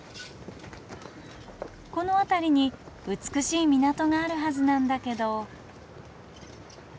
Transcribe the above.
この辺りに美しい港があるはずなんだけど。